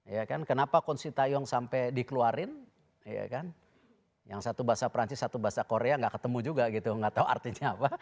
ya kan kenapa konsin taeyong sampai dikeluarin ya kan yang satu bahasa perancis satu bahasa korea nggak ketemu juga gitu nggak tahu artinya apa